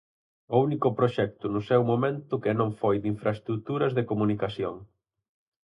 O único proxecto no seu momento que non foi de infraestruturas de comunicación.